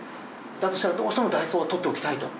だとしたらどうしてもダイソーは取っておきたいと？